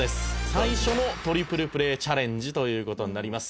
「最初のトリプルプレーチャレンジという事になります」